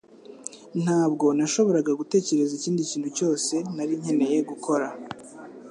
Ntabwo nashoboraga gutekereza ikindi kintu cyose nari nkeneye gukora